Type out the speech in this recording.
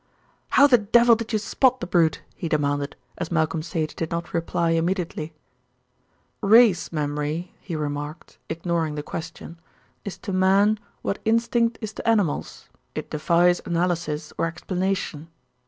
"How the devil did you spot the brute?" he demanded, as Malcolm Sage did not reply immediately. "Race memory," he remarked, ignoring the question, "is to man what instinct is to animals; it defies analysis or explanation."